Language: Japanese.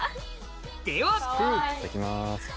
ではいただきます。